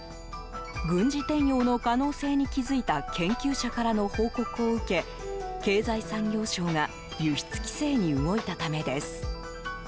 軍事転用の可能性に気付いた研究者からの報告を受け経済産業省が輸出規制に動いたためです。